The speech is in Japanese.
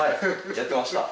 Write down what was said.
やってました。